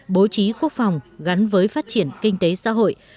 bố trí quốc phòng gắn với phát triển kinh tế xã hội